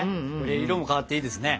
色も変わっていいですね。